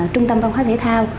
trung tâm văn hóa thể thao